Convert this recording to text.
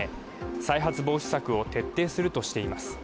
再発防止策を徹底するとしています。